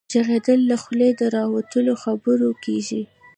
ږغيدل له خولې د راوتلو خبرو کيږي.